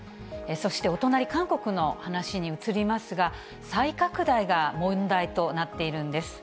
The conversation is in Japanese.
そしてお隣、韓国の話に移りますが、再拡大が問題となっているんです。